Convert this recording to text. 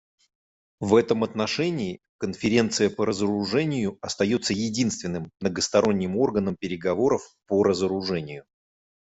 В этом отношении Конференция по разоружению остается единственным многосторонним органом переговоров по разоружению.